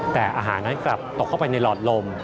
แต่อาหารนั้นกลับตกเข้าไปในหลอดลม